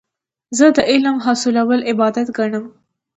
زه د علم حاصلول عبادت ګڼم.